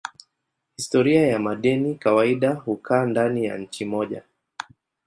Historia ya madeni kawaida hukaa ndani ya nchi moja.